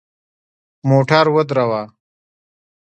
موټر ودروه !